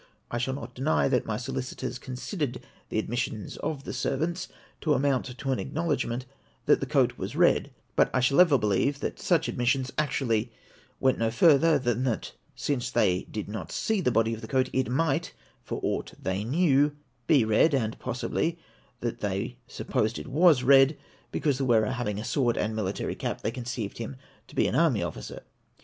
I shall not deny that my solicitors considered the admissions of the servants to amount to an acknowledgment that the coat was red ; but I shall ever believe that such admissions actually went no further than that, since they did not see the body of the coat, it might, for aught they knew, be red — and possibly, tliat they supposed it was red, because the wearer having a sword and military cap, they conceived him to be an army officer.